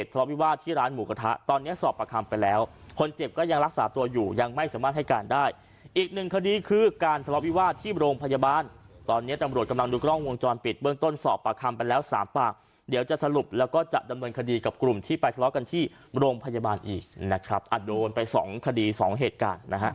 ทะเลาะวิวาสที่ร้านหมูกระทะตอนนี้สอบประคำไปแล้วคนเจ็บก็ยังรักษาตัวอยู่ยังไม่สามารถให้การได้อีกหนึ่งคดีคือการทะเลาวิวาสที่โรงพยาบาลตอนนี้ตำรวจกำลังดูกล้องวงจรปิดเบื้องต้นสอบปากคำไปแล้วสามปากเดี๋ยวจะสรุปแล้วก็จะดำเนินคดีกับกลุ่มที่ไปทะเลาะกันที่โรงพยาบาลอีกนะครับอ่ะโดนไปสองคดีสองเหตุการณ์นะฮะ